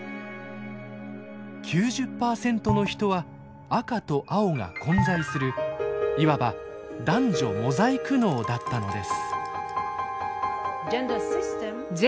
９０％の人は赤と青が混在するいわば男女モザイク脳だったのです。